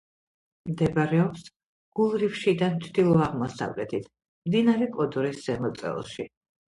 მდებარეობს გულრიფშიდან ჩრდილო-აღმოსავლეთით, მდინარე კოდორის ზემო წელში.